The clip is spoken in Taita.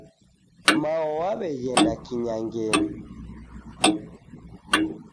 Mao waweghenda kinyangenyi